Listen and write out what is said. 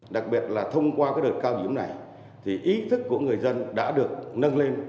đặc biệt là thông qua cái đợt cao điểm này thì ý thức của người dân đã được nâng lên